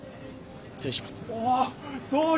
失礼します。